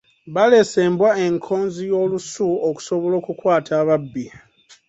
Baleese embwa enkonzi y’olusu okusobala okukwata ababbi.